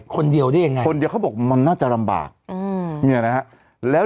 คนเดียวได้ยังไงคนเดียวเขาบอกมันน่าจะลำบากอืมเนี่ยนะฮะแล้ว